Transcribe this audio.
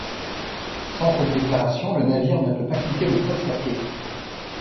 Sans cette déclaration le navire ne peut pas quitter le poste à quai.